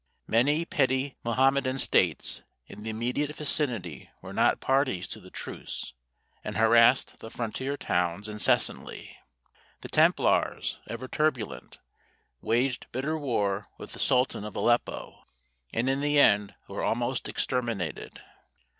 Many petty Mahomedan states in the immediate vicinity were not parties to the truce, and harassed the frontier towns incessantly. The Templars, ever turbulent, waged bitter war with the sultan of Aleppo, and in the end were almost exterminated.